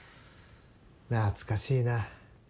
懐かしいな。